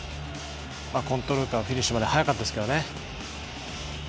コントロールからフィニッシュまで速かったですけどね。